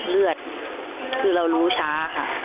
เลือดคือเรารู้ช้าค่ะ